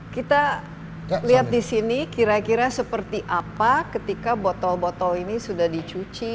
kita lihat di sini kira kira seperti apa ketika botol botol ini sudah dicuci